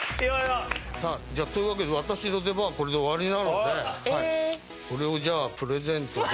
さあというわけで私の出番はこれで終わりなのでこれをじゃあプレゼントで。